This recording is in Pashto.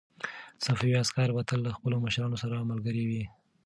صفوي عسکر به تل له خپلو مشرانو سره ملګري ول.